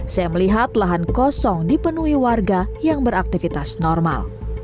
saya melihat lahan kosong dipenuhi warga yang beraktivitas normal